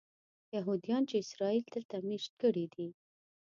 یهودیان چې اسرائیل دلته مېشت کړي دي.